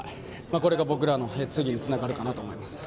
これが僕らの次につながるかなと思います。